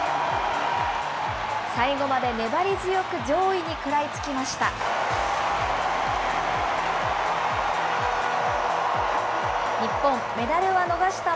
最後まで粘り強く上位に食らいつきました。